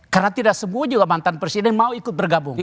karena tidak semua juga mantan presiden mau ikut bergabung